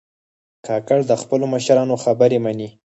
کاکړ د خپلو مشرانو خبرې منې.